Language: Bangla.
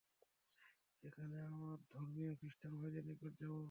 সেখানে আমার ধর্মীয় খৃষ্টান ভাইদের নিকট যাব।